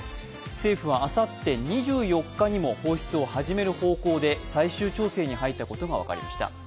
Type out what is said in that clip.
政府はあさって２４日にも放出を始める方向で最終調整に入ったことが分かりました。